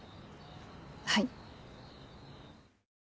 はい。